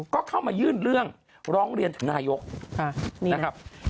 ก็เข้ามายื่นเรื่องร้องเรียนถึงนายกนะครับ